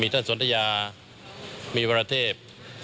ท่านสนทยามีวรเทพ